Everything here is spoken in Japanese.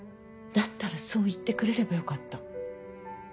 だったらそう言ってくれればよかった。